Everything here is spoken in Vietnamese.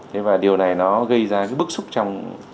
thế và điều này nó gây ra cái bức xúc trong